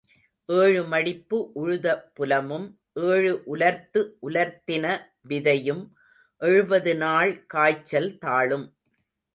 ஏழு மடிப்பு உழுத புலமும் ஏழு உலர்த்து உலர்த்தின விதையும் எழுபதுநாள் காய்ச்சல் தாளும்.